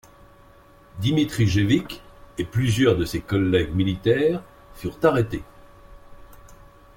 Dimitrijević et plusieurs de ses collègues militaires furent arrêtés.